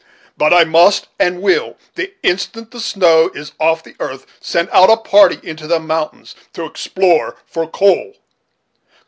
But I must, and will, the instant the snow is off the earth, send out a party into the mountains to explore for coal."